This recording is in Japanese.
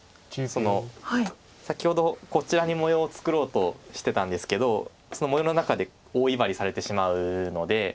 先ほどこちらに模様を作ろうとしてたんですけどその模様の中で大威張りされてしまうので。